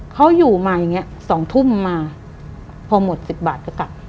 เขาอยู่มาอย่างนี้๒ทุ่มมาพอหมด๑๐บาทก็กลับ